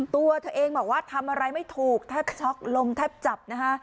ตัวเธอเองบอกว่าทำอะไรไม่ถูกแทบช็อกลมแทบจับนะฮะ